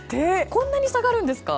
こんなに下がるんですか？